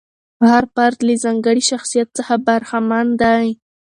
هر فرد له ځانګړي شخصیت څخه برخمن دی.